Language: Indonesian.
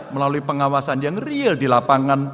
melalui pengawasan yang real di lapangan